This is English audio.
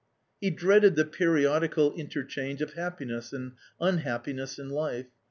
He dreaded the periodical interchange of happiness and unhappiness in life.